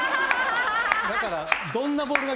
だから。